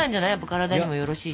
体にもよろしいし。